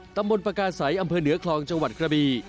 ตำบลปากาศัยอำเภอเหนือคลองจังหวัดกระบี